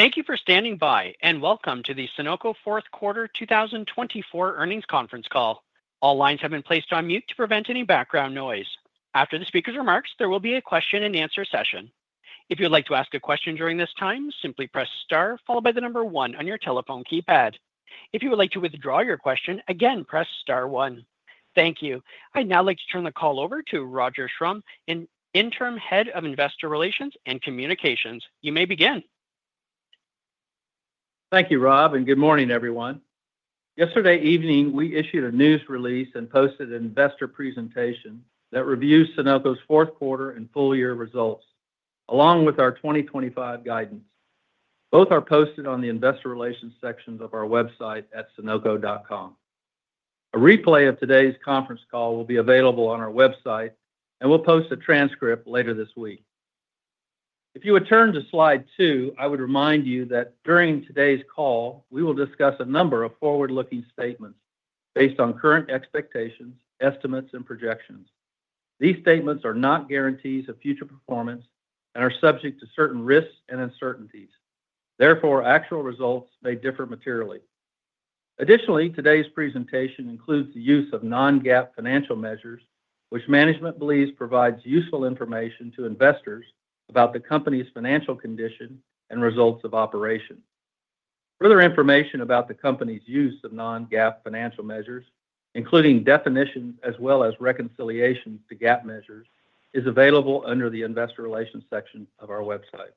Thank you for standing by, and welcome to the Sonoco Q4 2024 Earnings Conference Call. All lines have been placed on mute to prevent any background noise. After the speaker's remarks, there will be a question-and-answer session. If you would like to ask a question during this time, simply press star, followed by the number one on your telephone keypad. If you would like to withdraw your question, again, press star one. Thank you. I'd now like to turn the call over to Roger Schrum, Interim Head of Investor Relations and Communications. You may begin. Thank you, Rob, and good morning, everyone. Yesterday evening, we issued a news release and posted an investor presentation that reviews Sonoco's Q4 and full-year results, along with our 2025 guidance. Both are posted on the investor relations sections of our website at sonoco.com. A replay of today's conference call will be available on our website, and we'll post a transcript later this week. If you would turn to slide two, I would remind you that during today's call, we will discuss a number of forward-looking statements based on current expectations, estimates, and projections. These statements are not guarantees of future performance and are subject to certain risks and uncertainties. Therefore, actual results may differ materially. Additionally, today's presentation includes the use of non-GAAP financial measures, which management believes provides useful information to investors about the company's financial condition and results of operation. Further information about the company's use of non-GAAP financial measures, including definitions as well as reconciliations to GAAP measures, is available under the investor relations section of our website.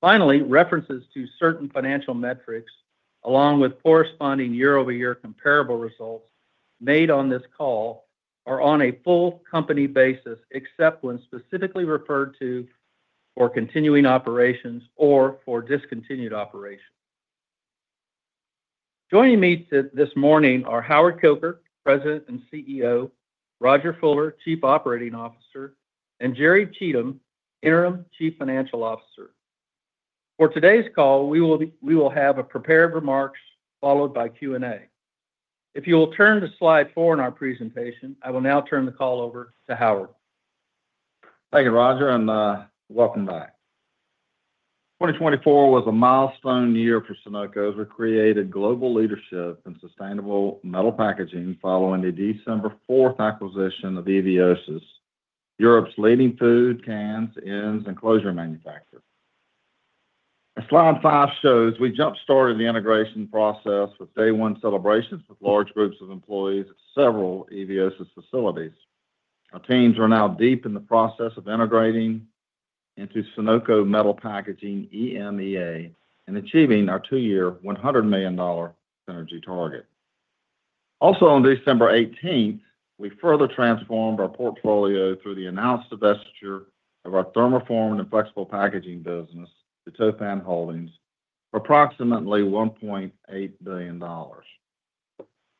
Finally, references to certain financial metrics, along with corresponding year-over-year comparable results made on this call, are on a full company basis except when specifically referred to for continuing operations or for discontinued operations. Joining me this morning are Howard Coker, President and CEO, Rodger Fuller, COO, and Jerry Cheatham, Interim CFO. For today's call, we will have prepared remarks followed by Q&A. If you will turn to slide four in our presentation, I will now turn the call over to Howard. Thank you, Roger, and welcome back. 2024 was a milestone year for Sonoco as we created global leadership in sustainable metal packaging following the December 4th acquisition of Eviosys, Europe's leading food cans, ends, and closures manufacturer. As slide five shows, we jump-started the integration process with day-one celebrations with large groups of employees at several Eviosys facilities. Our teams are now deep in the process of integrating into Sonoco metal packaging EMEA and achieving our two-year $100 million synergy target. Also, on December 18th, we further transformed our portfolio through the announced divestiture of our Thermoformed and Flexible Packaging business to Toppan Holdings for approximately $1.8 billion.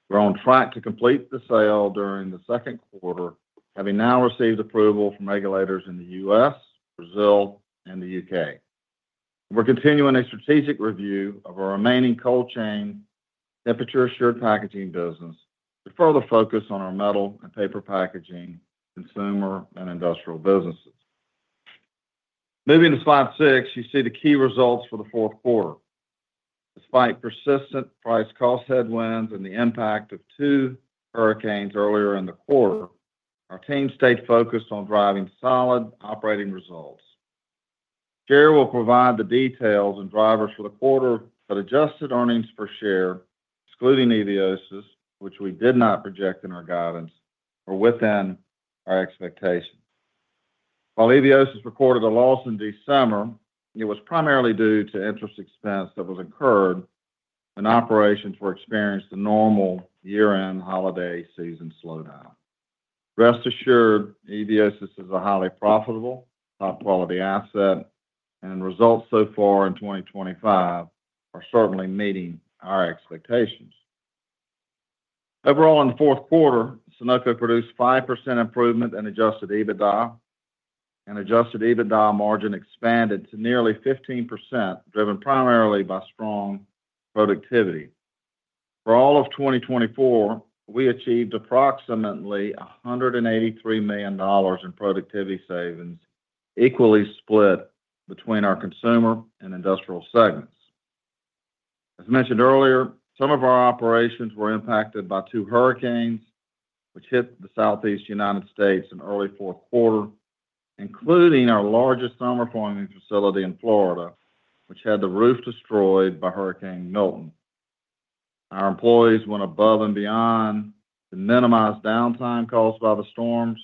We're on track to complete the sale during the second quarter, having now received approval from regulators in the U.S., Brazil, and the U.K. We're continuing a strategic review of our remaining cold chain temperature-assured packaging business to further focus on our Metal and Paper Packaging, Consumer and Industrial businesses. Moving to slide six, you see the key results for the Q4. Despite persistent price-cost headwinds and the impact of two hurricanes earlier in the quarter, our team stayed focused on driving solid operating results. Jerry will provide the details and drivers for the quarter that adjusted earnings per share, excluding Eviosys, which we did not project in our guidance or within our expectations. While Eviosys reported a loss in December, it was primarily due to interest expense that was incurred when operations were experiencing the normal year-end holiday season slowdown. Rest assured, Eviosys is a highly profitable, top-quality asset, and results so far in 2025 are certainly meeting our expectations. Overall, in the Q4, Sonoco produced a 5% improvement in adjusted EBITDA, and adjusted EBITDA margin expanded to nearly 15%, driven primarily by strong productivity. For all of 2024, we achieved approximately $183 million in productivity savings, equally split between our Consumer and Industrial segments. As mentioned earlier, some of our operations were impacted by two hurricanes, which hit the Southeast United States in early Q4, including our largest thermoforming facility in Florida, which had the roof destroyed by Hurricane Milton. Our employees went above and beyond to minimize downtime caused by the storms,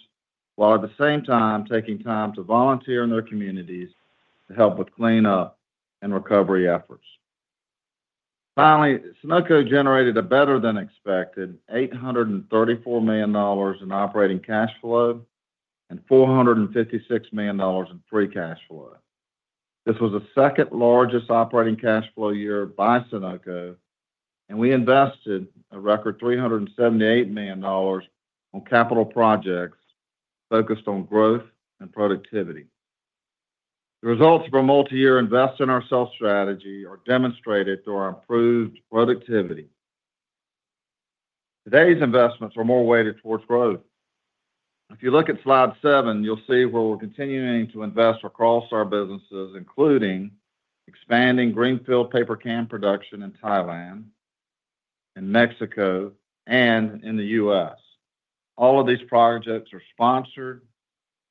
while at the same time taking time to volunteer in their communities to help with cleanup and recovery efforts. Finally, Sonoco generated a better-than-expected $834 million in operating cash flow and $456 million in free cash flow. This was the second-largest operating cash flow year by Sonoco, and we invested a record $378 million on capital projects focused on growth and productivity. The results of our multi-year investment in our sales strategy are demonstrated through our improved productivity. Today's investments are more weighted towards growth. If you look at slide seven, you'll see where we're continuing to invest across our businesses, including expanding greenfield paper can production in Thailand, in Mexico, and in the U.S. All of these projects are sponsored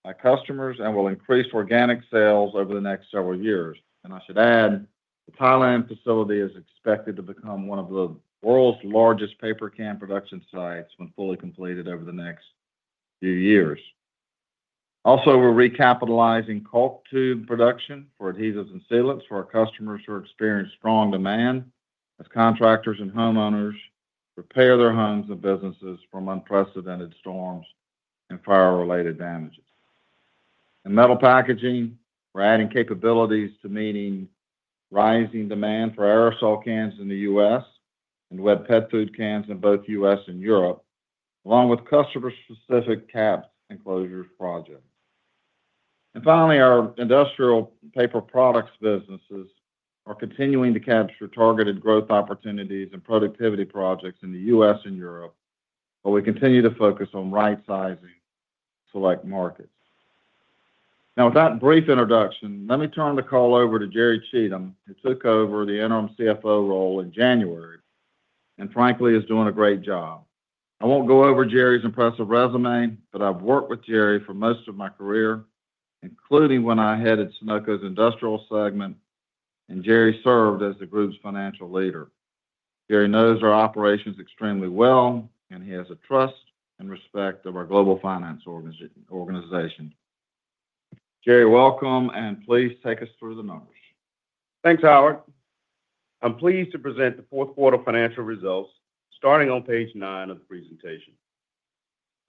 by customers and will increase organic sales over the next several years, and I should add, the Thailand facility is expected to become one of the world's largest paper can production sites when fully completed over the next few years. Also, we're recapitalizing core tube production for adhesives and sealants for our customers who experience strong demand as contractors and homeowners repair their homes and businesses from unprecedented storms and fire-related damages. In metal packaging, we're adding capabilities to meet rising demand for aerosol cans in the U.S. and wet pet food cans in both the U.S. and Europe, along with customer-specific caps and closures projects. Finally, our Industrial Paper Products businesses are continuing to capture targeted growth opportunities and productivity projects in the U.S. and Europe, while we continue to focus on right-sizing select markets. Now, with that brief introduction, let me turn the call over to Jerry Cheatham, who took over the interim CFO role in January and, frankly, is doing a great job. I won't go over Jerry's impressive résumé, but I've worked with Jerry for most of my career, including when I headed Sonoco's Industrial segment, and Jerry served as the group's financial leader. Jerry knows our operations extremely well, and he has the trust and respect of our global finance organization. Jerry, welcome, and please take us through the numbers. Thanks, Howard. I'm pleased to present the Q4 financial results starting on page nine of the presentation.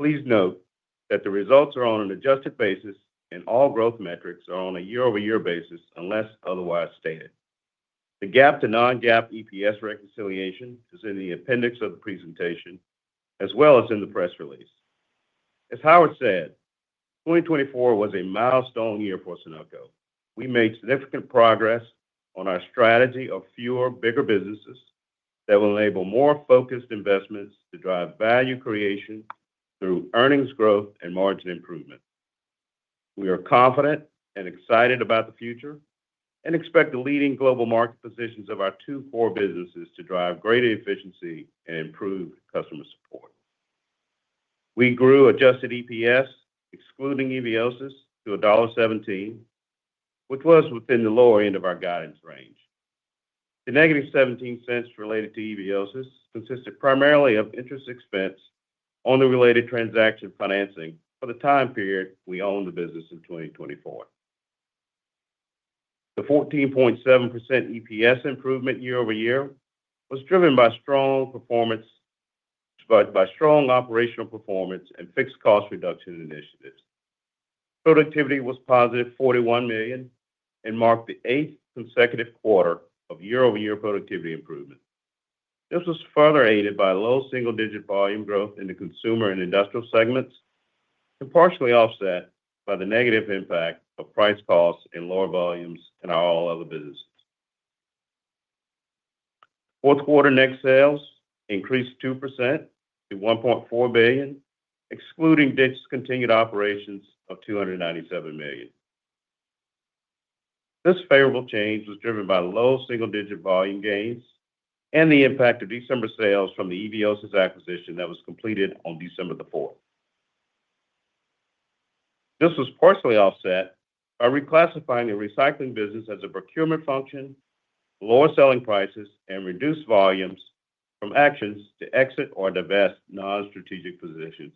Please note that the results are on an adjusted basis, and all growth metrics are on a year-over-year basis unless otherwise stated. The GAAP to non-GAAP EPS reconciliation is in the appendix of the presentation as well as in the press release. As Howard said, 2024 was a milestone year for Sonoco. We made significant progress on our strategy of fewer, bigger businesses that will enable more focused investments to drive value creation through earnings growth and margin improvement. We are confident and excited about the future and expect the leading global market positions of our two core businesses to drive greater efficiency and improved customer support. We grew adjusted EPS, excluding Eviosys, to $1.17, which was within the lower end of our guidance range. The -$0.17 related to Eviosys consisted primarily of interest expense on the related transaction financing for the time period we owned the business in 2024. The 14.7% EPS improvement year-over-year was driven by strong operational performance and fixed cost reduction initiatives. Productivity was positive $41 million and marked the eighth consecutive quarter of year-over-year productivity improvement. This was further aided by low single-digit volume growth in the Consumer and Industrial segments and partially offset by the negative impact of price-cost and lower volumes in our all-other businesses. Q4 net sales increased 2% to $1.4 billion, excluding discontinued operations of $297 million. This favorable change was driven by low single-digit volume gains and the impact of December sales from the Eviosys acquisition that was completed on December 4th. This was partially offset by reclassifying the Recycling business as a procurement function, lower selling prices, and reduced volumes from actions to exit or divest non-strategic positions.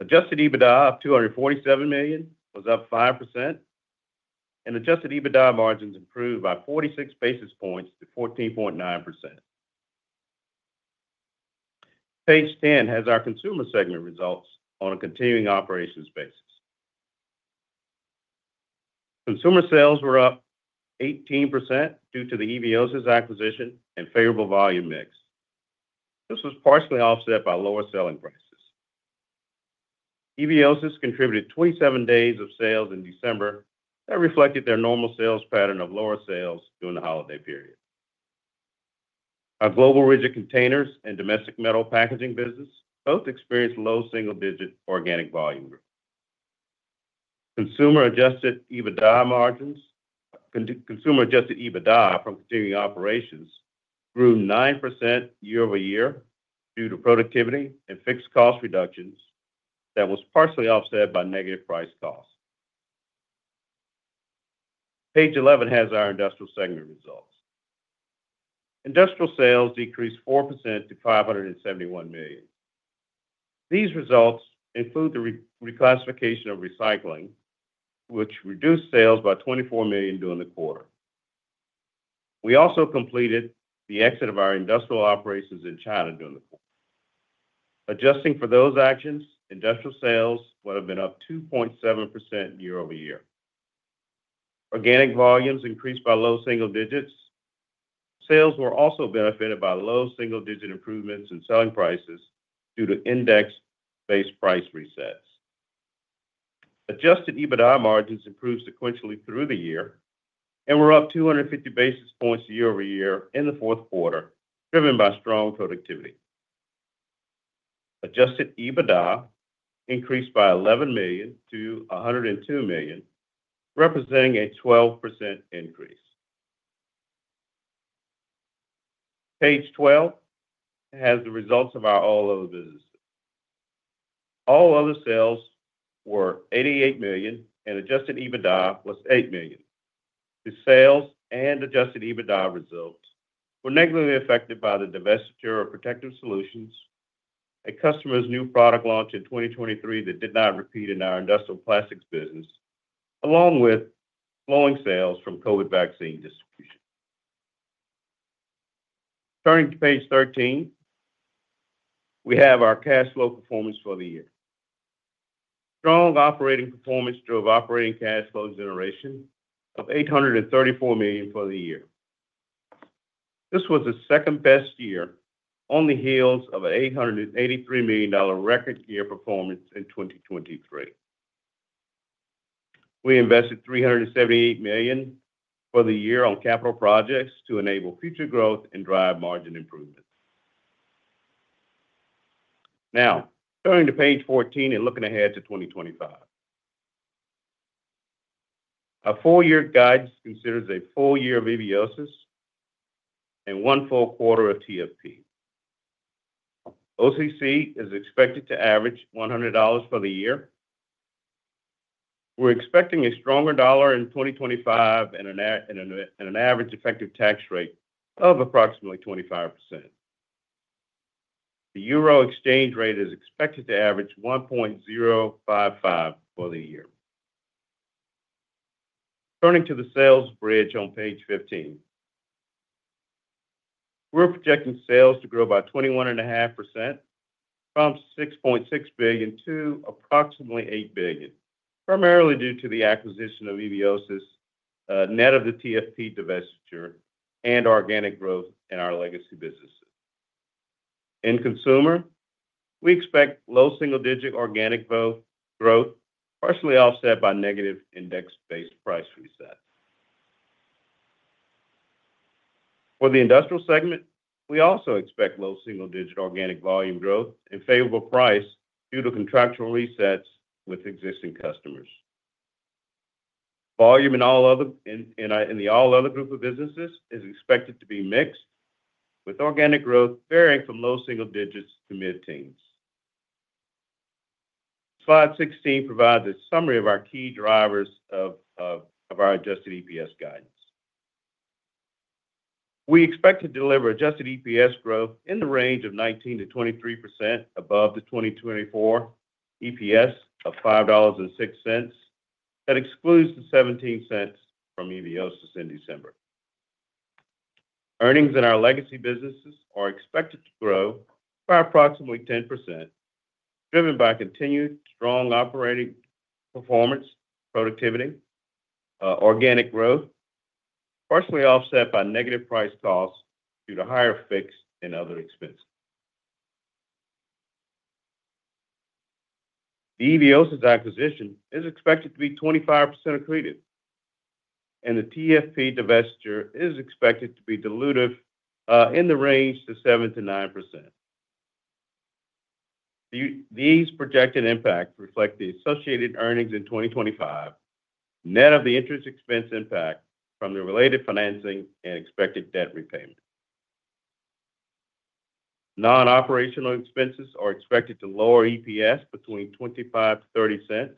Adjusted EBITDA of $247 million was up 5%, and adjusted EBITDA margins improved by 46 basis points to 14.9%. Page 10 has our Consumer segment results on a continuing operations basis. Consumer sales were up 18% due to the Eviosys acquisition and favorable volume mix. This was partially offset by lower selling prices. Eviosys contributed 27 days of sales in December that reflected their normal sales pattern of lower sales during the holiday period. Our global rigid containers and domestic metal packaging business both experienced low single-digit organic volume growth. Consumer adjusted EBITDA margins from continuing operations grew 9% year-over-year due to productivity and fixed cost reductions that was partially offset by negative price/cost. Page 11 has our Industrial segment results. Industrial sales decreased 4% to $571 million. These results include the reclassification of Recycling, which reduced sales by $24 million during the quarter. We also completed the exit of our Industrial operations in China during the quarter. Adjusting for those actions, Industrial sales would have been up 2.7% year-over-year. Organic volumes increased by low single digits. Sales were also benefited by low single-digit improvements in selling prices due to index-based price resets. Adjusted EBITDA margins improved sequentially through the year, and we're up 250 basis points year-over-year in the Q4, driven by strong productivity. Adjusted EBITDA increased by $11 million to $102 million, representing a 12% increase. Page 12 has the results of our all-other businesses. All-other sales were $88 million, and adjusted EBITDA was $8 million. The sales and Adjusted EBITDA results were negatively affected by the divestiture of Protective Solutions, a customer's new product launch in 2023 that did not repeat in our Industrial Plastics business, along with slowing sales from COVID vaccine distribution. Turning to page 13, we have our cash flow performance for the year. Strong operating performance drove operating cash flow generation of $834 million for the year. This was the second-best year on the heels of an $883 million record year performance in 2023. We invested $378 million for the year on capital projects to enable future growth and drive margin improvements. Now, turning to page 14 and looking ahead to 2025. Our four-year guidance considers a full year of Eviosys and one full quarter of TFP. OCC is expected to average $100 for the year. We're expecting a stronger dollar in 2025 and an average effective tax rate of approximately 25%. The EUR exchange rate is expected to average 1.055 for the year. Turning to the sales bridge on page 15, we're projecting sales to grow by 21.5% from $6.6 billion to approximately $8 billion, primarily due to the acquisition of Eviosys, net of the TFP divestiture, and organic growth in our legacy businesses. In Consumer, we expect low single-digit organic growth, partially offset by negative index-based price resets. For the Industrial segment, we also expect low single-digit organic volume growth and favorable price due to contractual resets with existing customers. Volume in the all-other group of businesses is expected to be mixed, with organic growth varying from low single digits to mid-teens. Slide 16 provides a summary of our key drivers of our adjusted EPS guidance. We expect to deliver adjusted EPS growth in the range of 19%-23% above the 2024 EPS of $5.06, that excludes $0.17 from Eviosys in December. Earnings in our legacy businesses are expected to grow by approximately 10%, driven by continued strong operating performance, productivity, organic growth, partially offset by negative price costs due to higher fixed and other expenses. The Eviosys acquisition is expected to be 25% accretive, and the TFP divestiture is expected to be dilutive in the range of 7%-9%. These projected impacts reflect the associated earnings in 2025, net of the interest expense impact from the related financing and expected debt repayment. Non-operational expenses are expected to lower EPS between $0.25-$0.30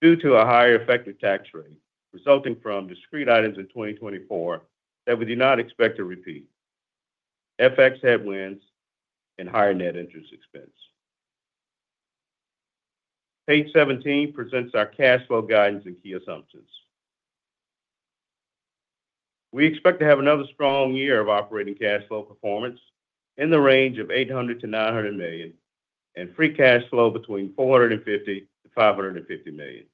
due to a higher effective tax rate resulting from discrete items in 2024 that we do not expect to repeat, FX headwinds, and higher net interest expense. Page 17 presents our cash flow guidance and key assumptions. We expect to have another strong year of operating cash flow performance in the range of $800 million-$900 million, and free cash flow between $450 million-$550 million.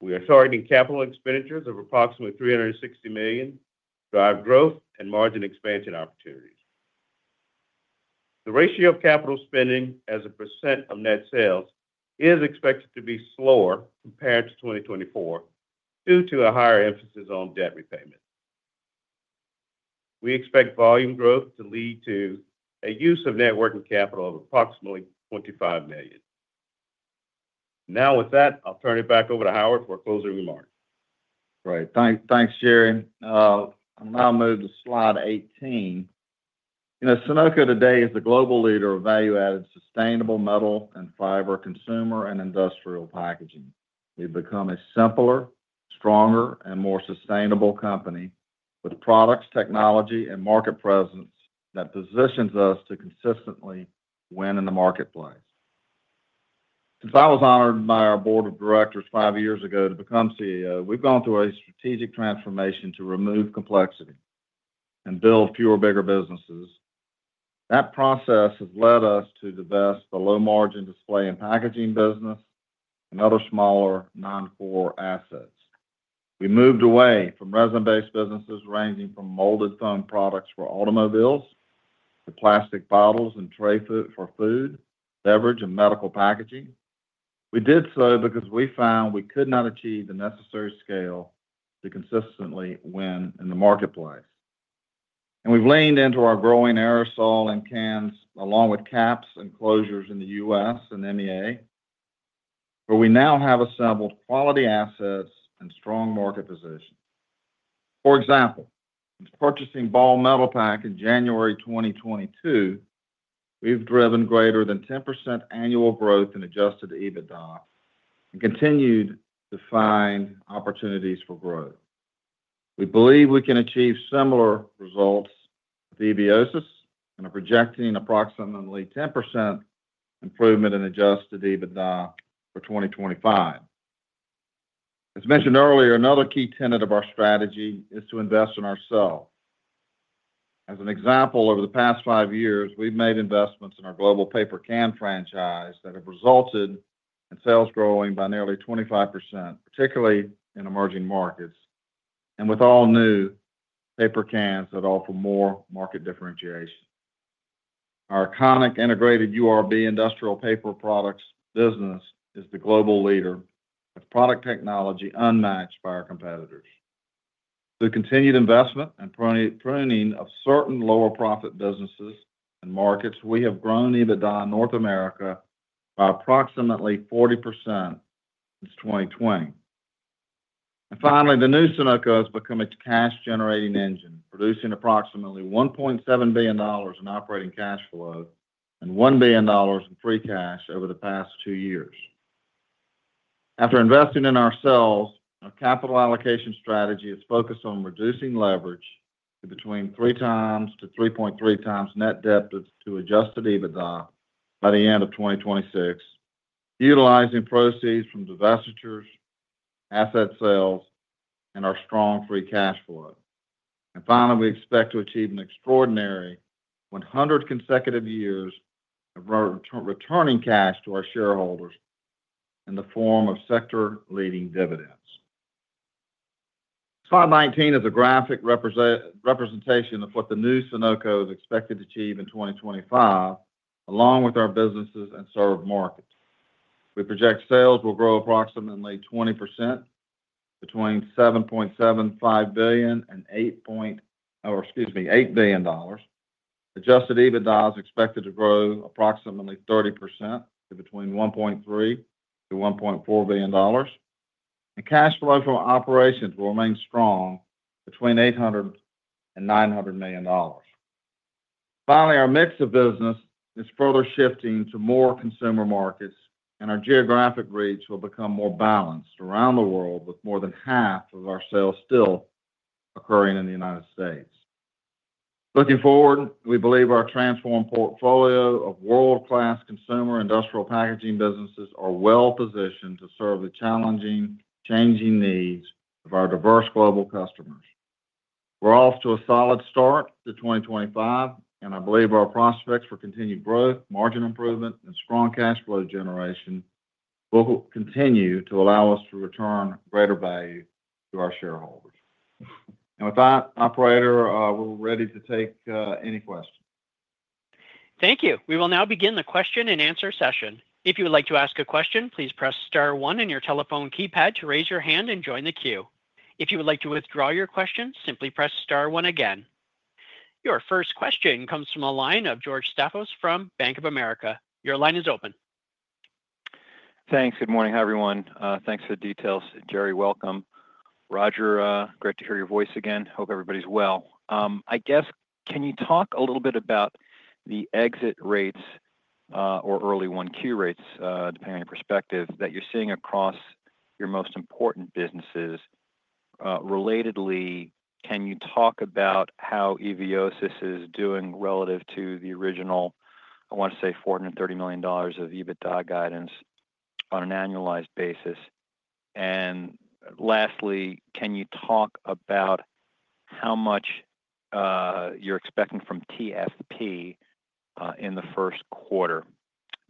We are targeting capital expenditures of approximately $360 million to drive growth and margin expansion opportunities. The ratio of capital spending as a % of net sales is expected to be slower compared to 2024 due to a higher emphasis on debt repayment. We expect volume growth to lead to a use of net working capital of approximately $25 million. Now, with that, I'll turn it back over to Howard for a closing remark. Great. Thanks, Jerry. I'll now move to slide 18. Sonoco today is the global leader of value-added sustainable metal and fiber Consumer and Industrial Packaging. We've become a simpler, stronger, and more sustainable company with products, technology, and market presence that positions us to consistently win in the marketplace. Since I was honored by our board of directors five years ago to become CEO, we've gone through a strategic transformation to remove complexity and build fewer, bigger businesses. That process has led us to divest the low-margin Display and Packaging business and other smaller non-core assets. We moved away from resin-based businesses ranging from molded foam products for automobiles to plastic bottles and tray food for food, beverage, and medical packaging. We did so because we found we could not achieve the necessary scale to consistently win in the marketplace. And we've leaned into our growing aerosol and cans along with caps and closures in the U.S. and EMEA, where we now have assembled quality assets and strong market positions. For example, since purchasing Ball Metalpack in January 2022, we've driven greater than 10% annual growth in adjusted EBITDA and continued to find opportunities for growth. We believe we can achieve similar results with Eviosys and are projecting approximately 10% improvement in adjusted EBITDA for 2025. As mentioned earlier, another key tenet of our strategy is to invest in ourselves. As an example, over the past five years, we've made investments in our global paper can franchise that have resulted in sales growing by nearly 25%, particularly in emerging markets and with all-new paper cans that offer more market differentiation. Our iconic integrated URB Industrial Paper Products business is the global leader with product technology unmatched by our competitors. Through continued investment and pruning of certain lower-profit businesses and markets, we have grown EBITDA in North America by approximately 40% since 2020. And finally, the new Sonoco has become a cash-generating engine, producing approximately $1.7 billion in operating cash flow and $1 billion in free cash over the past two years. After investing in ourselves, our capital allocation strategy is focused on reducing leverage to between 3 times to 3.3 times net debt to adjusted EBITDA by the end of 2026, utilizing proceeds from divestitures, asset sales, and our strong free cash flow. Finally, we expect to achieve an extraordinary 100 consecutive years of returning cash to our shareholders in the form of sector-leading dividends. Slide 19 is a graphic representation of what the new Sonoco is expected to achieve in 2025, along with our businesses and served markets. We project sales will grow approximately 20% between $7.75 billion and $8 billion. Adjusted EBITDA is expected to grow approximately 30% to between $1.3 billion-$1.4 billion. And cash flow from operations will remain strong between $800 million and $900 million. Finally, our mix of business is further shifting to more consumer markets, and our geographic reach will become more balanced around the world, with more than half of our sales still occurring in the United States. Looking forward, we believe our transformed portfolio of world-class Consumer Industrial Packaging businesses is well-positioned to serve the challenging, changing needs of our diverse global customers. We're off to a solid start to 2025, and I believe our prospects for continued growth, margin improvement, and strong cash flow generation will continue to allow us to return greater value to our shareholders. And with that, Operator, we're ready to take any questions. Thank you. We will now begin the question-and-answer session. If you would like to ask a question, please press star one in your telephone keypad to raise your hand and join the queue. If you would like to withdraw your question, simply press star one again. Your first question comes from a line of George Staphos from Bank of America. Your line is open. Thanks. Good morning. Hi, everyone. Thanks for the details. Jerry, welcome. Roger, great to hear your voice again. Hope everybody's well. I guess, can you talk a little bit about the exit rates or early Q1 rates, depending on your perspective, that you're seeing across your most important businesses? Relatedly, can you talk about how Eviosys is doing relative to the original, I want to say, $430 million of EBITDA guidance on an annualized basis? And lastly, can you talk about how much you're expecting from TFP in the Q1?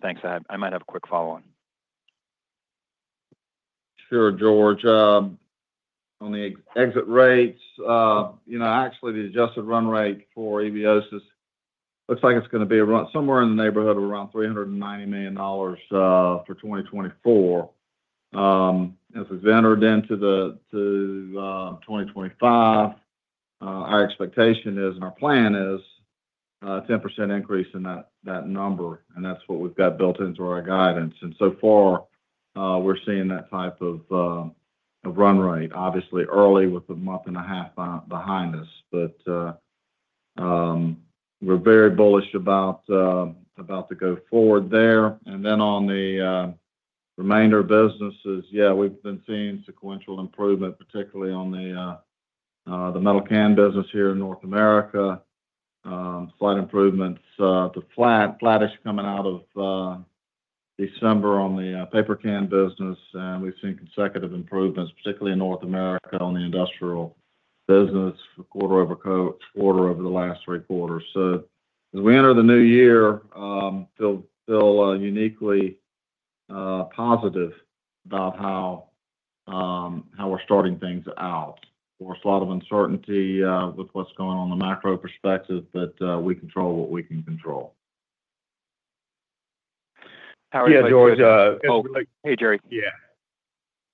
Thanks. I might have a quick follow-on. Sure, George. On the exit rates, actually, the adjusted run rate for Eviosys looks like it's going to be somewhere in the neighborhood of around $390 million for 2024. As we've entered into 2025, our expectation is, and our plan is, a 10% increase in that number, and that's what we've got built into our guidance and so far, we're seeing that type of run rate. Obviously, early with a month and a half behind us, but we're very bullish about to go forward there and then on the remainder of businesses, yeah, we've been seeing sequential improvement, particularly on the metal can business here in North America. Slight improvements to flattish coming out of December on the paper can business, and we've seen consecutive improvements, particularly in North America on the Industrial business for quarter-over-quarter over the last three quarters. So as we enter the new year, feel uniquely positive about how we're starting things out. Of course, a lot of uncertainty with what's going on on the macro perspective, but we control what we can control. Howard? Yeah, George. Hey, Jerry. Yeah.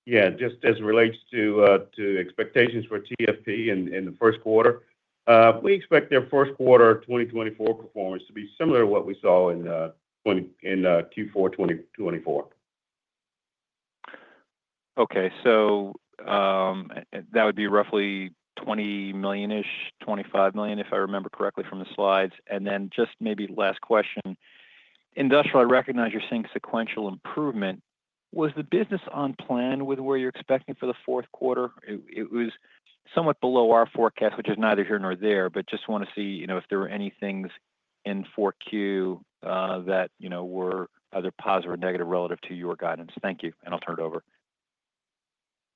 Yeah, just as it relates to expectations for TFP in the Q1, we expect their Q1 2024 performance to be similar to what we saw in Q4 2024. Okay. So that would be roughly $20 million-ish, $25 million, if I remember correctly from the slides. And then just maybe last question. Industrial, I recognize you're seeing sequential improvement. Was the business on plan with where you're expecting for the Q4? It was somewhat below our forecast, which is neither here nor there, but just want to see if there were any things in Q4 that were either positive or negative relative to your guidance. Thank you. And I'll turn it over.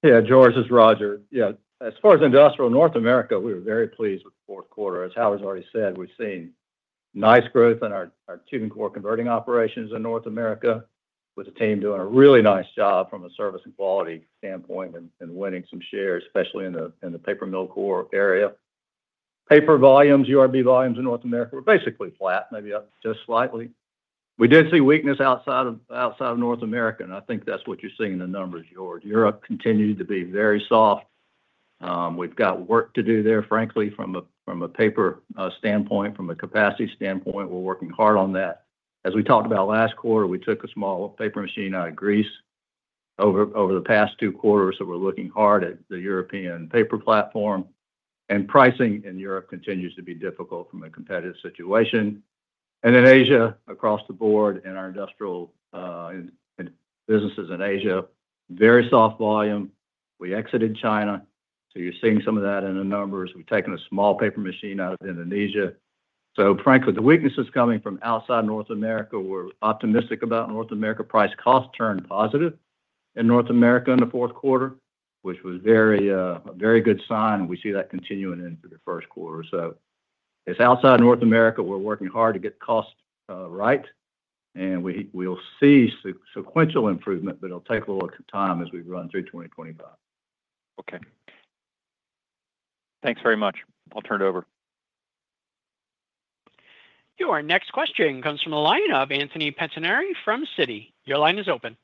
Yeah, George it's Rodger. Yeah. As far as Industrial North America, we were very pleased with the Q4. As Howard's already said, we've seen nice growth in our Tube and Core converting operations in North America, with the team doing a really nice job from a service and quality standpoint and winning some shares, especially in the paper mill core area. Paper volumes, URB volumes in North America were basically flat, maybe up just slightly. We did see weakness outside of North America, and I think that's what you're seeing in the numbers, George. Europe continued to be very soft. We've got work to do there, frankly, from a paper standpoint, from a capacity standpoint. We're working hard on that. As we talked about last quarter, we took a small paper machine out of Greece over the past two quarters, so we're looking hard at the European paper platform. Pricing in Europe continues to be difficult from a competitive situation. In Asia, across the board in our Industrial businesses in Asia, very soft volume. We exited China, so you're seeing some of that in the numbers. We've taken a small paper machine out of Indonesia. Frankly, the weakness is coming from outside North America. We're optimistic about North America. price-cost turned positive in North America in the Q4, which was a very good sign. We see that continuing into the Q1. It's outside North America. We're working hard to get costs right, and we'll see sequential improvement, but it'll take a little time as we run through 2025. Okay. Thanks very much. I'll turn it over. Your next question comes from the line of Anthony Pettinari from Citi. Your line is open.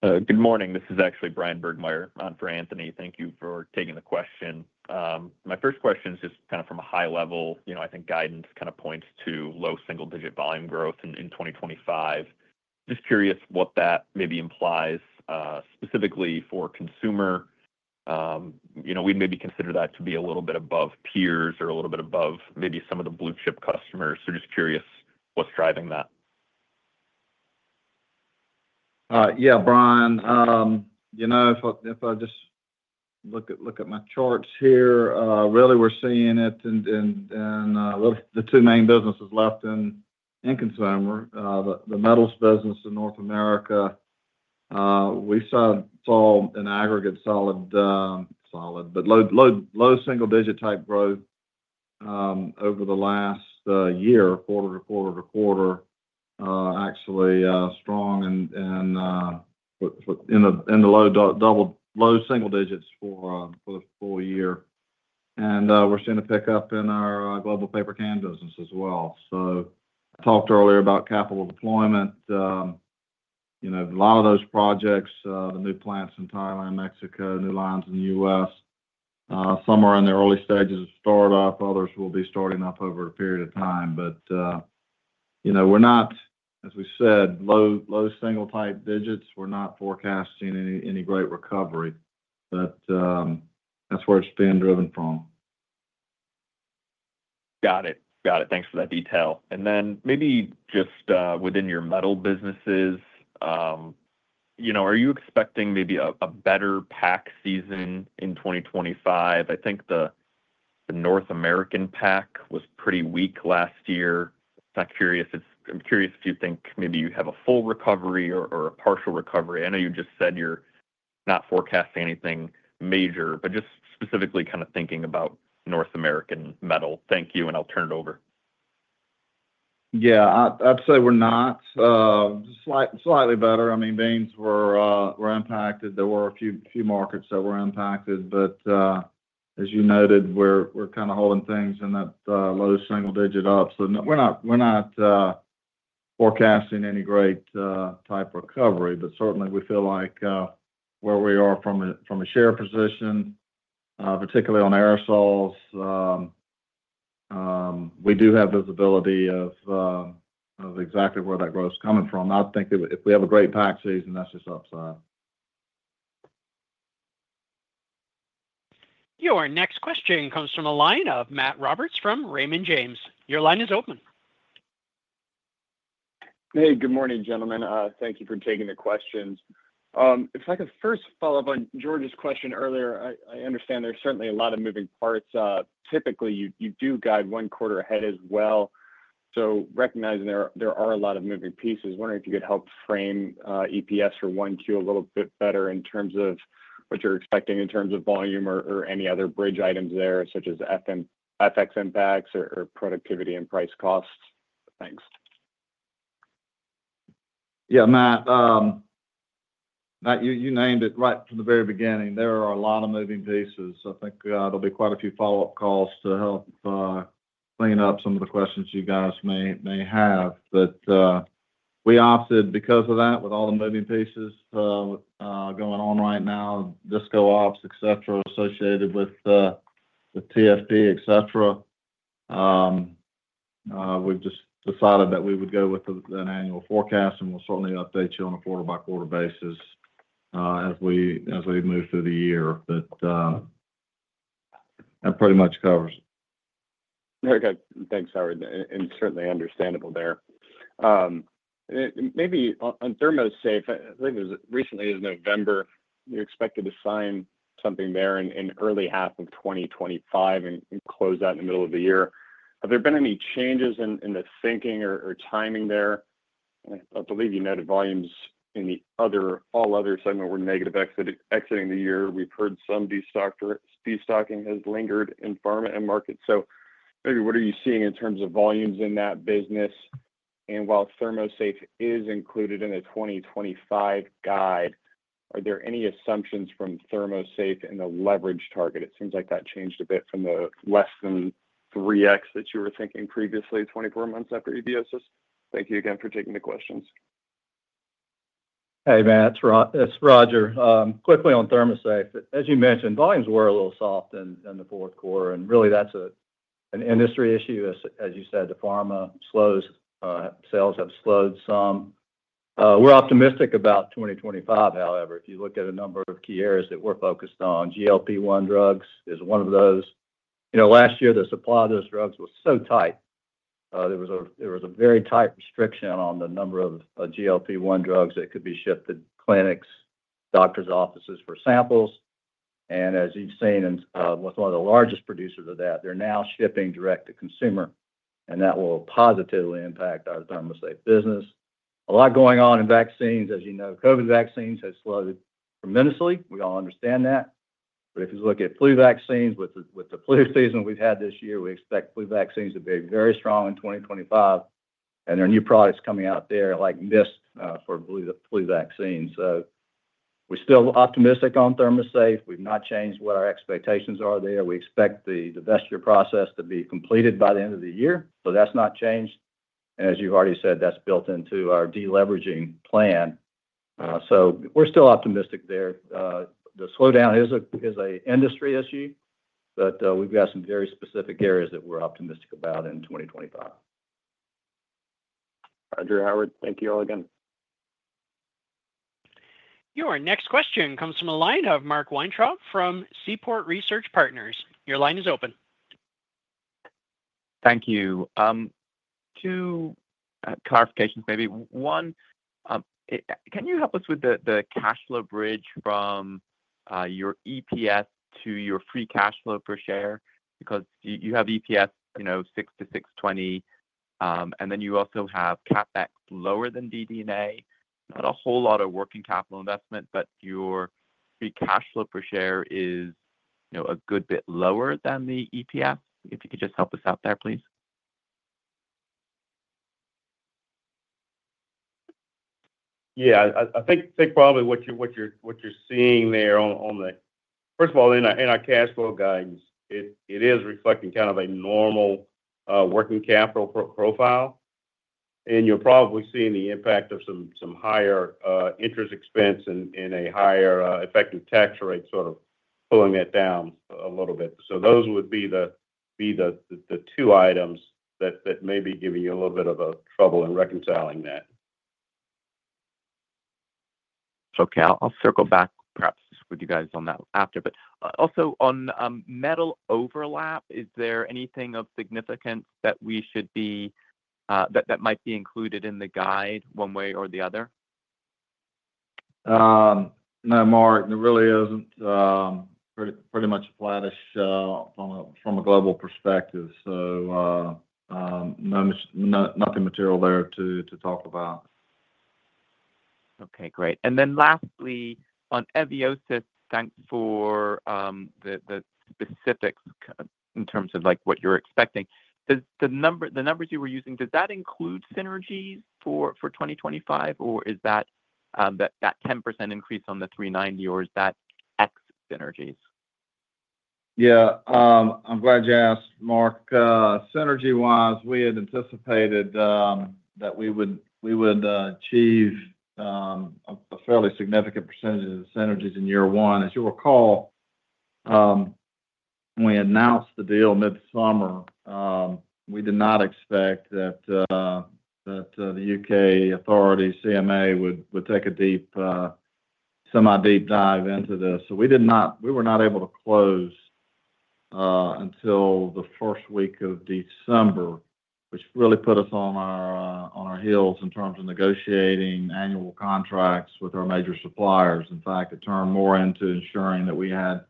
Good morning. This is actually Bryan Burgmeier for Anthony. Thank you for taking the question. My first question is just kind of from a high level. I think guidance kind of points to low single-digit volume growth in 2025. Just curious what that maybe implies specifically for Consumer. We'd maybe consider that to be a little bit above peers or a little bit above maybe some of the blue-chip customers. So just curious what's driving that. Yeah, Brian. If I just look at my charts here, really we're seeing it in the two main businesses left in Consumer, the metals business in North America. We saw an aggregate solid, but low single-digit type growth over the last year, quarter to quarter to quarter, actually strong in the low single digits for the full year. And we're seeing a pickup in our global paper can business as well. So I talked earlier about capital deployment. A lot of those projects, the new plants in Thailand, Mexico, new lines in the U.S., some are in the early stages of startup. Others will be starting up over a period of time. But we're not, as we said, low single-type digits. We're not forecasting any great recovery, but that's where it's being driven from. Got it. Got it. Thanks for that detail. And then maybe just within your metal businesses, are you expecting maybe a better pack season in 2025? I think the North American pack was pretty weak last year. I'm curious if you think maybe you have a full recovery or a partial recovery. I know you just said you're not forecasting anything major, but just specifically kind of thinking about North American metal. Thank you, and I'll turn it over. Yeah. I'd say we're not slightly better. I mean, beans were impacted. There were a few markets that were impacted. But as you noted, we're kind of holding things in that low single-digit up. So we're not forecasting any great type recovery, but certainly we feel like where we are from a share position, particularly on aerosols, we do have visibility of exactly where that growth's coming from. I think if we have a great pack season, that's just upside. Your next question comes from a line of Matt Roberts from Raymond James. Your line is open. Hey, good morning, gentlemen. Thank you for taking the questions. If I could first follow up on George's question earlier, I understand there's certainly a lot of moving parts. Typically, you do guide one quarter ahead as well. So recognizing there are a lot of moving pieces, wondering if you could help frame EPS for oneQ a little bit better in terms of what you're expecting in terms of volume or any other bridge items there, such as FX impacts or productivity and price-cost? Thanks. Yeah, Matt. You named it right from the very beginning. There are a lot of moving pieces. I think there'll be quite a few follow-up calls to help clean up some of the questions you guys may have. But we opted because of that, with all the moving pieces going on right now, discontinued ops, etc., associated with TFP, etc. We've just decided that we would go with an annual forecast, and we'll certainly update you on a quarter-by-quarter basis as we move through the year. But that pretty much covers it. Very good. Thanks, Howard. And certainly understandable there. Maybe on ThermoSafe, I believe it was recently in November, you expected to sign something there in early half of 2025 and close out in the middle of the year. Have there been any changes in the thinking or timing there? I believe you noted volumes in the All Other segment were negative exiting the year. We've heard some destocking has lingered in pharma and markets. So maybe what are you seeing in terms of volumes in that business? And while ThermoSafe is included in the 2025 guide, are there any assumptions from ThermoSafe in the leverage target? It seems like that changed a bit from the less than 3x that you were thinking previously, 24 months after Eviosys. Thank you again for taking the questions. Hey, Matt. It's Rodger. Quickly on ThermoSafe. As you mentioned, volumes were a little soft in the Q4, and really, that's an industry issue, as you said. The pharma sales have slowed some. We're optimistic about 2025, however. If you look at a number of key areas that we're focused on, GLP-1 drugs is one of those. Last year, the supply of those drugs was so tight. There was a very tight restriction on the number of GLP-1 drugs that could be shipped to clinics, doctors' offices for samples, and as you've seen with one of the largest producers of that, they're now shipping direct to consumer, and that will positively impact our ThermoSafe business. A lot going on in vaccines. As you know, COVID vaccines have slowed tremendously. We all understand that. But if you look at flu vaccines, with the flu season we've had this year, we expect flu vaccines to be very strong in 2025. And there are new products coming out there like Mist for flu vaccines. So we're still optimistic on ThermoSafe. We've not changed what our expectations are there. We expect the divestiture process to be completed by the end of the year. So that's not changed. And as you've already said, that's built into our deleveraging plan. So we're still optimistic there. The slowdown is an industry issue, but we've got some very specific areas that we're optimistic about in 2025. Roger, Howard. Thank you all again. Your next question comes from a line of Mark Weintraub from Seaport Research Partners. Your line is open. Thank you. Two clarifications maybe. One, can you help us with the cash flow bridge from your EPS to your free cash flow per share? Because you have EPS $6-$6.20, and then you also have CapEx lower than DD&A, not a whole lot of working capital investment, but your free cash flow per share is a good bit lower than the EPS. If you could just help us out there, please. Yeah. I think probably what you're seeing there on the first of all, in our cash flow guidance, it is reflecting kind of a normal working capital profile. And you're probably seeing the impact of some higher interest expense and a higher effective tax rate sort of pulling that down a little bit. So those would be the two items that may be giving you a little bit of trouble in reconciling that. Okay. I'll circle back perhaps with you guys on that after. But also on metal overlap, is there anything of significance that we should be that might be included in the guide one way or the other? No, Mark. There really isn't. Pretty much flatish from a global perspective. So nothing material there to talk about. Okay. Great, and then lastly, on Eviosys, thanks for the specifics in terms of what you're expecting. The numbers you were using, does that include synergies for 2025, or is that 10% increase on the 390, or is that ex-synergies? Yeah. I'm glad you asked, Mark. Synergy-wise, we had anticipated that we would achieve a fairly significant percentage of the synergies in year one. As you'll recall, when we announced the deal mid-summer, we did not expect that the U.K. authorities, CMA, would take a semi-deep dive into this. So we were not able to close until the first week of December, which really put us on our heels in terms of negotiating annual contracts with our major suppliers. In fact, it turned more into ensuring that we had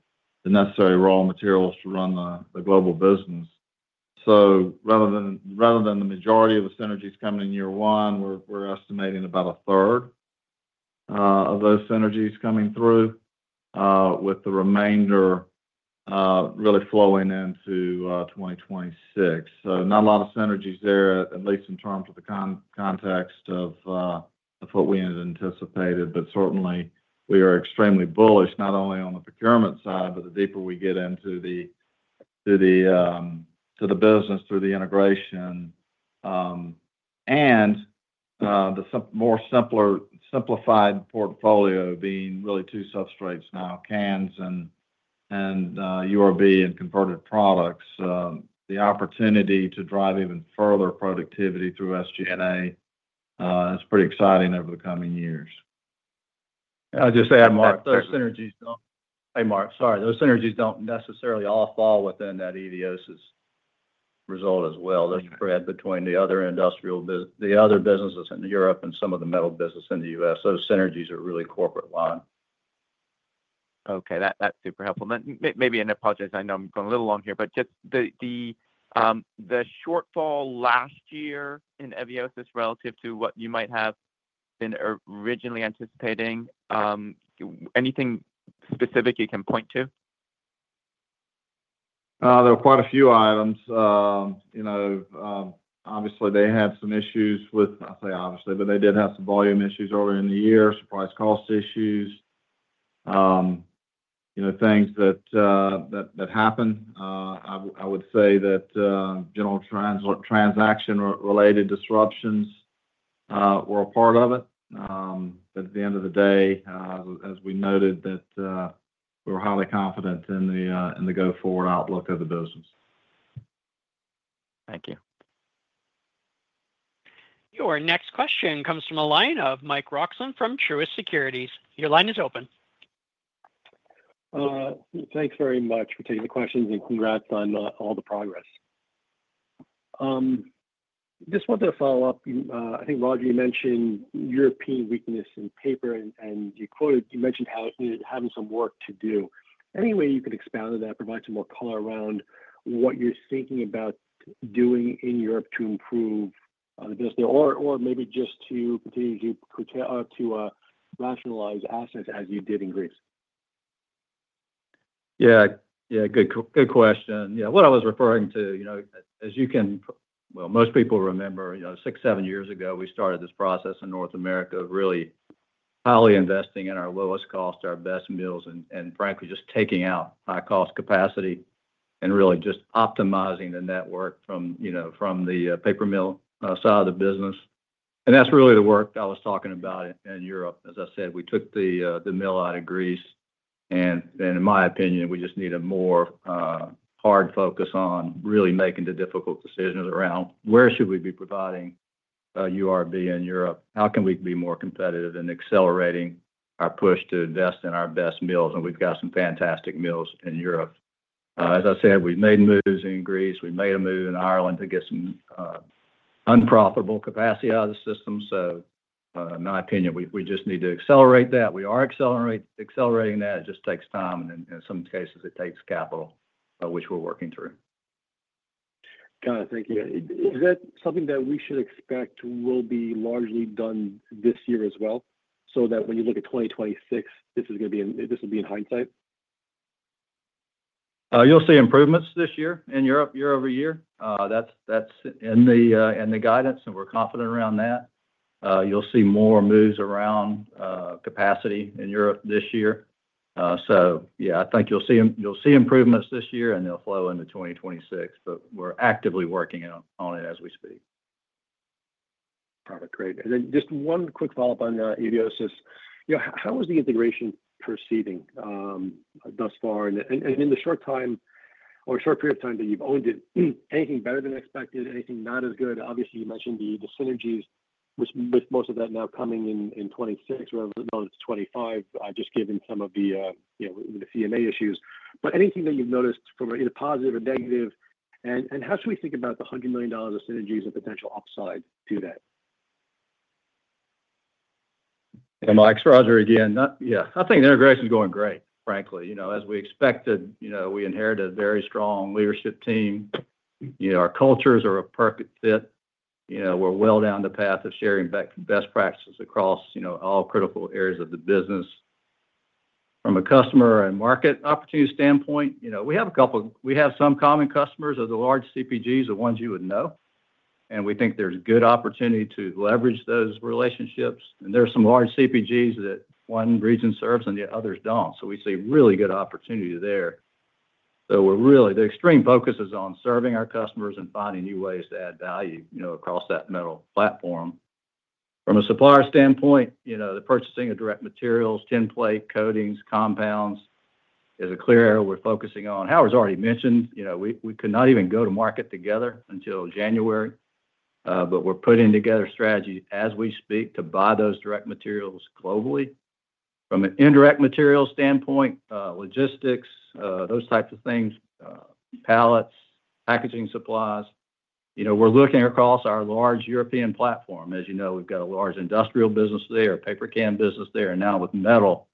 the necessary raw materials to run the global business. So rather than the majority of the synergies coming in year one, we're estimating about a third of those synergies coming through, with the remainder really flowing into 2026. So not a lot of synergies there, at least in terms of the context of what we had anticipated. But certainly, we are extremely bullish not only on the procurement side, but the deeper we get into the business through the integration and the more simplified portfolio being really two substrates now, cans and URB and converted products. The opportunity to drive even further productivity through SG&A is pretty exciting over the coming years. I'll just add, Mark. Hey, Mark. Sorry. Those synergies don't necessarily all fall within that Eviosys result as well. There's a thread between the other businesses in Europe and some of the metal business in the U.S. Those synergies are really corporate-wide. Okay. That's super helpful. Maybe an apology. I know I'm going a little long here, but just the shortfall last year in Eviosys relative to what you might have been originally anticipating. Anything specific you can point to? There were quite a few items. Obviously, they had some issues with-not say obviously, but they did have some volume issues earlier in the year, surprise cost issues, things that happened. I would say that general transaction-related disruptions were a part of it. But at the end of the day, as we noted, we were highly confident in the go-forward outlook of the business. Thank you. Your next question comes from a line of Mike Roxland from Truist Securities. Your line is open. Thanks very much for taking the questions and congrats on all the progress. Just wanted to follow up. I think, Roger, you mentioned European weakness in paper, and you mentioned having some work to do. Any way you could expand on that, provide some more color around what you're thinking about doing in Europe to improve the business there or maybe just to continue to rationalize assets as you did in Greece? Yeah. Yeah. Good question. Yeah. What I was referring to, as you can, well, most people remember, six, seven years ago, we started this process in North America of really highly investing in our lowest cost, our best mills, and frankly, just taking out high-cost capacity and really just optimizing the network from the paper mill side of the business. And that's really the work I was talking about in Europe. As I said, we took the mill out of Greece. And in my opinion, we just need a more hard focus on really making the difficult decisions around where should we be providing URB in Europe? How can we be more competitive in accelerating our push to invest in our best mills? And we've got some fantastic mills in Europe. As I said, we've made moves in Greece. We made a move in Ireland to get some unprofitable capacity out of the system. So in my opinion, we just need to accelerate that. We are accelerating that. It just takes time. And in some cases, it takes capital, which we're working through. Kind of thinking is that something that we should expect will be largely done this year as well? So that when you look at 2026, this is going to be, this will be in hindsight? You'll see improvements this year in Europe, year-over-year. That's in the guidance, and we're confident around that. You'll see more moves around capacity in Europe this year. So yeah, I think you'll see improvements this year, and they'll flow into 2026. But we're actively working on it as we speak. All right. Great. And then just one quick follow-up on Eviosys. How is the integration proceeding thus far? And in the short time or short period of time that you've owned it, anything better than expected? Anything not as good? Obviously, you mentioned the synergies, with most of that now coming in 2026, rather than 2025, just given some of the CMA issues. But anything that you've noticed from a positive or negative? And how should we think about the $100 million of synergies and potential upside to that? Yeah. Next, Rodger again. Yeah. I think the integration is going great, frankly. As we expected, we inherited a very strong leadership team. Our cultures are a perfect fit. We're well down the path of sharing best practices across all critical areas of the business. From a customer and market opportunity standpoint, we have a couple, we have some common customers of the large CPGs, the ones you would know. We think there's good opportunity to leverage those relationships and there are some large CPGs that one region serves and the others don't. So we see really good opportunity there. So the extreme focus is on serving our customers and finding new ways to add value across that metal platform. From a supplier standpoint, the purchasing of direct materials, tinplate, coatings, compounds is a clear area we're focusing on. Howard's already mentioned, we could not even go to market together until January. But we're putting together strategies as we speak to buy those direct materials globally. From an indirect materials standpoint, logistics, those types of things, pallets, packaging supplies, we're looking across our large European platform. As you know, we've got a large Industrial business there, a paper can business there. And now with metal,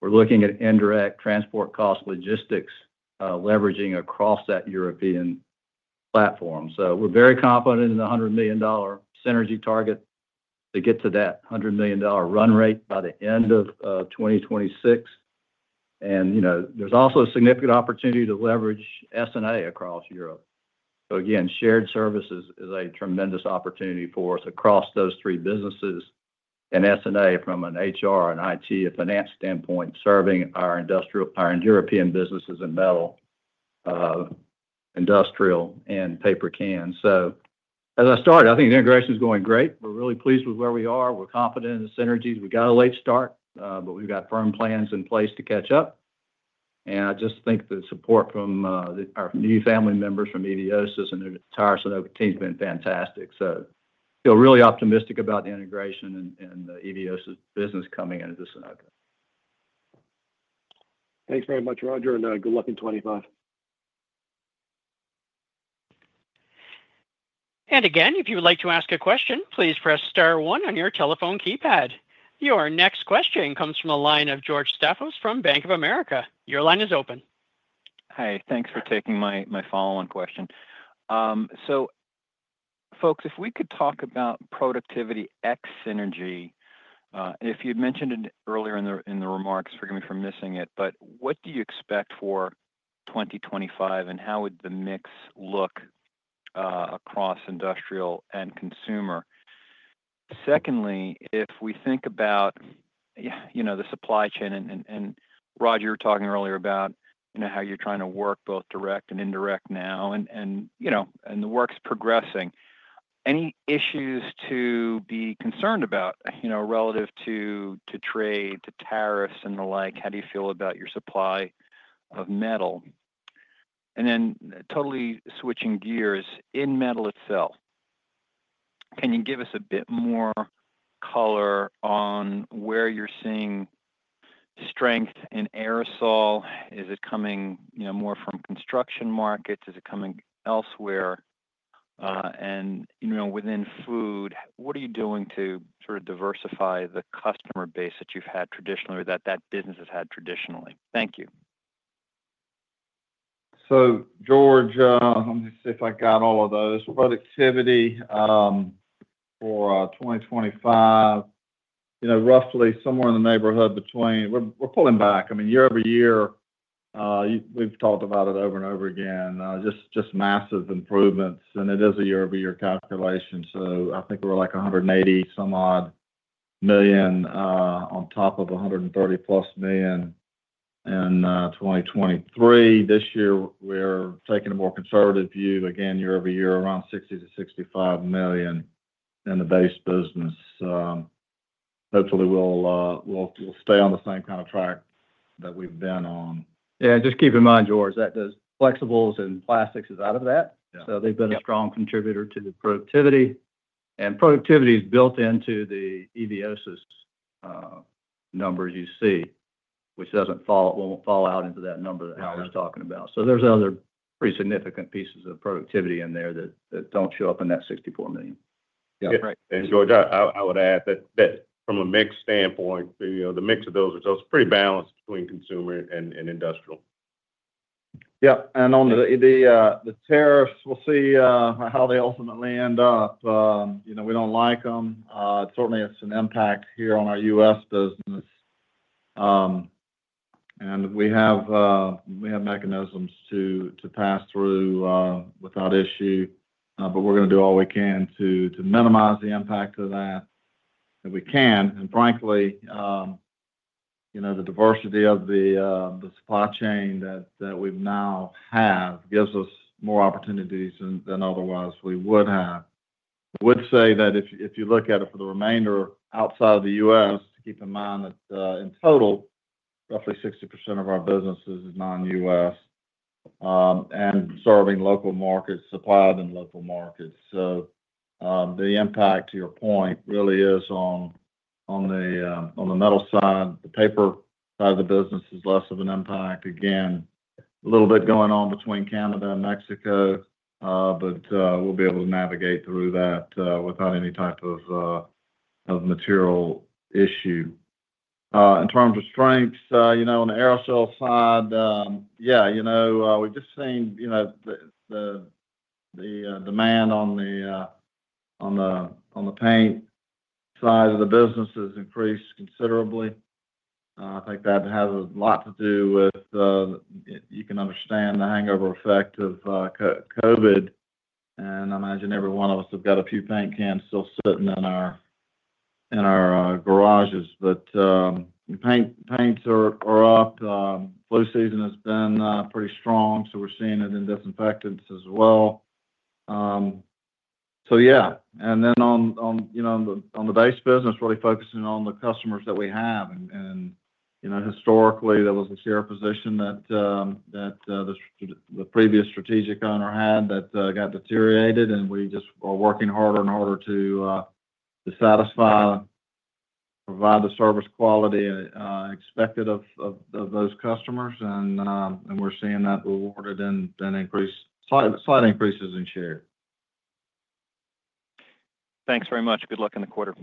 we're looking at indirect transport costs, logistics, leveraging across that European platform. So we're very confident in the $100 million synergy target to get to that $100 million run rate by the end of 2026. And there's also a significant opportunity to leverage S&A across Europe. So again, shared services is a tremendous opportunity for us across those three businesses and S&A from an HR, an IT, a finance standpoint, serving our European businesses in metal, industrial, and paper can. So as I started, I think the integration is going great. We're really pleased with where we are. We're confident in the synergies. We got a late start, but we've got firm plans in place to catch up. And I just think the support from our new family members from Eviosys and their entire Sonoco team has been fantastic. So feel really optimistic about the integration and the Eviosys business coming into the Sonoco. Thanks very much, Rodger. And good luck in 2025. Again, if you would like to ask a question, please press star one on your telephone keypad. Your next question comes from a line of George Staphos from Bank of America. Your line is open. Hi. Thanks for taking my follow-on question. So folks, if we could talk about productivity ex-synergy, if you'd mentioned it earlier in the remarks, forgive me for missing it, but what do you expect for 2025, and how would the mix look across Industrial and Consumer? Secondly, if we think about the supply chain and Rodger, you were talking earlier about how you're trying to work both direct and indirect now, and the work's progressing, any issues to be concerned about relative to trade, to tariffs, and the like? How do you feel about your supply of metal? Then totally switching gears, in metal itself, can you give us a bit more color on where you're seeing strength in aerosol? Is it coming more from construction markets? Is it coming elsewhere? Within food, what are you doing to sort of diversify the customer base that you've had traditionally or that that business has had traditionally? Thank you. So George, let me see if I got all of those. Productivity for 2025, roughly somewhere in the neighborhood between we're pulling back. I mean, year-over-year, we've talked about it over and over again, just massive improvements. And it is a year-over-year calculation. So I think we're like $180-some-odd million on top of $130+ million in 2023. This year, we're taking a more conservative view, again, year-over-year, around $60 million-$65 million in the base business. Hopefully, we'll stay on the same kind of track that we've been on. Yeah. And just keep in mind, George, that the flexibles and plastics is out of that. So they've been a strong contributor to productivity. And productivity is built into the Eviosys numbers you see, which won't fall out into that number that Howard's talking about. So there's other pretty significant pieces of productivity in there that don't show up in that $64 million. Yeah. George, I would add that from a mix standpoint, the mix of those is pretty balanced between Consumer and Industrial. Yeah. And on the tariffs, we'll see how they ultimately end up. We don't like them. Certainly, it's an impact here on our U.S. business. And we have mechanisms to pass through without issue. But we're going to do all we can to minimize the impact of that if we can. And frankly, the diversity of the supply chain that we now have gives us more opportunities than otherwise we would have. I would say that if you look at it for the remainder outside of the U.S., keep in mind that in total, roughly 60% of our businesses is non-U.S. and serving local markets, supplied in local markets. So the impact, to your point, really is on the metal side. The paper side of the business is less of an impact. Again, a little bit going on between Canada and Mexico, but we'll be able to navigate through that without any type of material issue. In terms of strengths, on the aerosol side, yeah, we've just seen the demand on the paint side of the business has increased considerably. I think that has a lot to do with you can understand the hangover effect of COVID. And I imagine every one of us has got a few paint cans still sitting in our garages. But paints are up. Flu season has been pretty strong. So we're seeing it in disinfectants as well. So yeah. Then on the base business, really focusing on the customers that we have. And historically, that was a share position that the previous strategic owner had that got deteriorated. And we just are working harder and harder to satisfy, provide the service quality expected of those customers. And we're seeing that rewarded in slight increases in share. Thanks very much. Good luck in the quarter.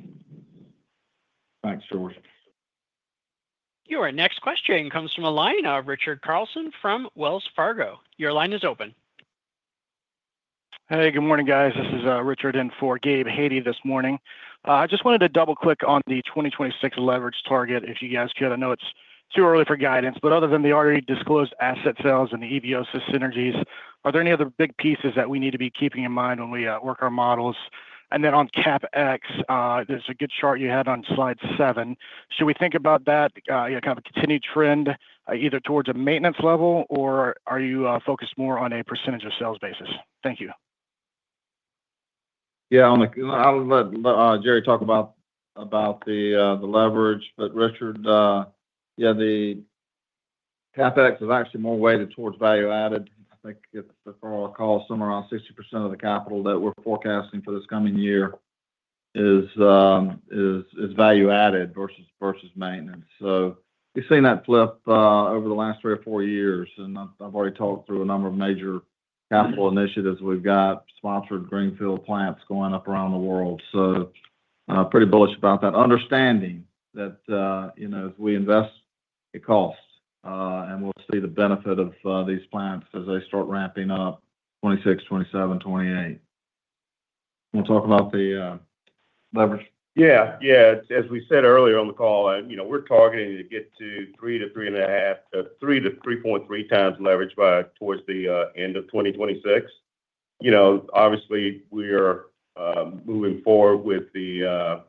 Thanks, George. Your next question comes from a line of Richard Carlson from Wells Fargo. Your line is open. Hey, good morning, guys. This is Richard in for Gabe Hajde this morning. I just wanted to double-click on the 2026 leverage target, if you guys could. I know it's too early for guidance. But other than the already disclosed asset sales and the Eviosys synergies, are there any other big pieces that we need to be keeping in mind when we work our models? And then on CapEx, there's a good chart you had on slide seven. Should we think about that kind of continued trend either towards a maintenance level, or are you focused more on a percentage of sales basis? Thank you. Yeah. I'll let Jerry talk about the leverage. But Richard, yeah, the CapEx is actually more weighted towards value-added. I think for all our calls, somewhere around 60% of the capital that we're forecasting for this coming year is value added versus maintenance. So we've seen that flip over the last three or four years. And I've already talked through a number of major capital initiatives we've got, sponsored greenfield plants going up around the world. So pretty bullish about that, understanding that as we invest, it costs. And we'll see the benefit of these plants as they start ramping up 2026, 2027, 2028. Want to talk about the leverage? Yeah. Yeah. As we said earlier on the call, we're targeting to get to 3 to 3.5 to 3 to 3.3x leverage by towards the end of 2026. Obviously, we are moving forward with the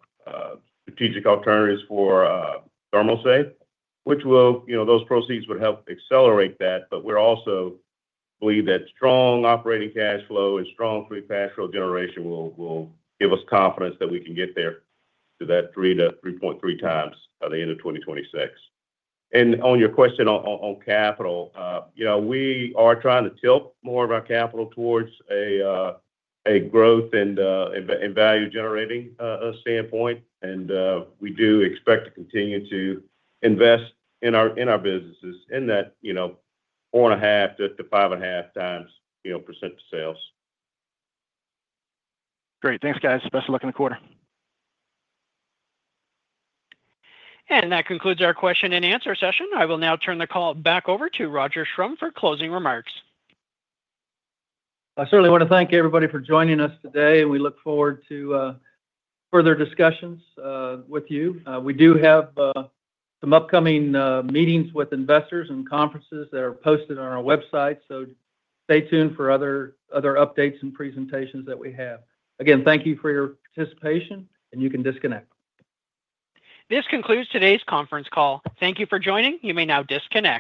strategic alternatives for ThermoSafe, which those proceeds would help accelerate that. But we also believe that strong operating cash flow and strong free cash flow generation will give us confidence that we can get there to that 3 to 3.3x by the end of 2026. And on your question on capital, we are trying to tilt more of our capital towards a growth and value-generating standpoint. And we do expect to continue to invest in our businesses in that 4.5%-5.5% of sales. Great. Thanks, guys. Best of luck in the quarter. That concludes our question and answer session. I will now turn the call back over to Roger Schrum for closing remarks. I certainly want to thank everybody for joining us today. We look forward to further discussions with you. We do have some upcoming meetings with investors and conferences that are posted on our website. Stay tuned for other updates and presentations that we have. Again, thank you for your participation. You can disconnect. This concludes today's conference call. Thank you for joining. You may now disconnect.